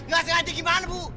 gak sengaja gimana bu